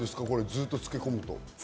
ずっと漬け込むと。